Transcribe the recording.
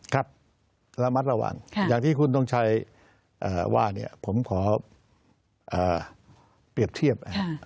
ครับระมัดระวังอย่างที่คุณทงชัยว่าเนี่ยผมขอเปรียบเทียบ